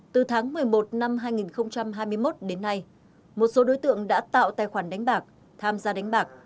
từ tháng một mươi một năm hai nghìn hai mươi một đến nay một số đối tượng đã tạo tài khoản đánh bạc tham gia đánh bạc